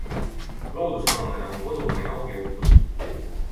Looduskaamera on kodumaine au ja uhkus.